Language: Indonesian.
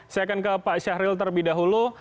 saya akan ke pak syahril terlebih dahulu